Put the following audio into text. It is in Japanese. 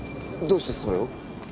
どうしてそれを？